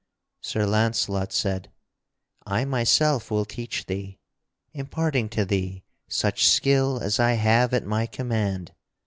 Sir Launcelot said: "I myself will teach thee, imparting to thee such skill as I have at my command.